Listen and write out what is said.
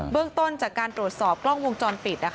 เรื่องต้นจากการตรวจสอบกล้องวงจรปิด